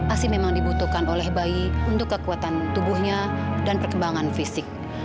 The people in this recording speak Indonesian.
asi memang dibutuhkan oleh bayi untuk kekuatan tubuhnya dan perkembangan fisik